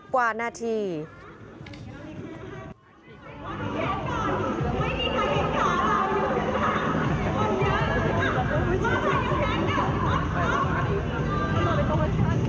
แต่ฉันพูดไม่ไหวแล้ว